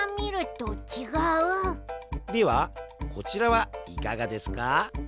ではこちらはいかがですか？